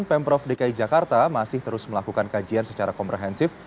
pemprov dki jakarta masih terus melakukan kajian secara komprehensif